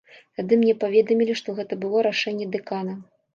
Тады мне паведамілі, што гэта было рашэнне дэкана.